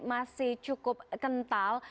masih cukup kental